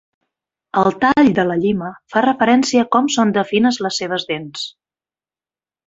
El "tall" de la llima fa referència a com de fines són les seves dents.